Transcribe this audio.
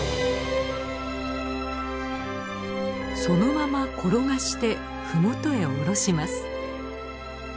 そのまま転がしてふもとへおろします。